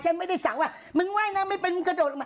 ไม่ได้สั่งว่ามึงว่ายน้ำไม่เป็นมึงกระโดดมา